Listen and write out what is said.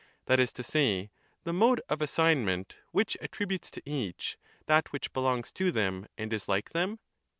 That is to say, the mode of assignment which attri butes to each that which belongs to them and is like them?